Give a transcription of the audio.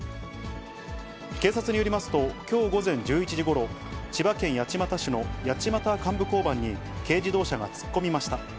警察によりますと、きょう午前１１時ごろ、千葉県八街市の八街幹部交番に、軽自動車が突っ込みました。